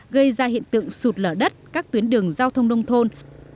gây ra hiện tượng sụt lở đất các tuyến đường giao thông nông thôn